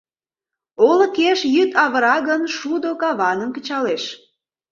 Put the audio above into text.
Олыкеш йӱд авыра гын, шудо каваным кычалеш.